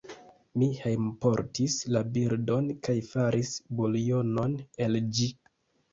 Mi hejmportis la birdon, kaj faris buljonon el ĝi.